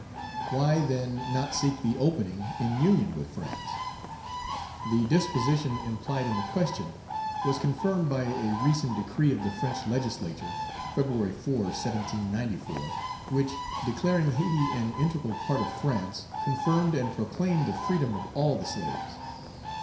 Why, then, not seek "the opening" in union with France? The disposition implied in the question was confirmed by a recent decree of the French Legislature (Feb. 4, 1794), which, declaring Hayti an integral part of France, confirmed and proclaimed the freedom of all the slaves.